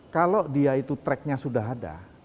kalau dia itu tracknya sudah ada